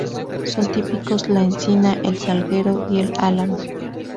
Son típicos la encina, el salguero y el álamo.